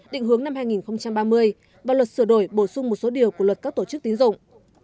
định hướng năm hai nghìn ba mươi và luật sửa đổi bổ sung một số điều của luật các tổ chức tín dụng